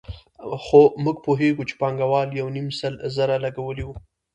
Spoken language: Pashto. خو موږ پوهېږو چې پانګوال یو نیم سل زره لګولي وو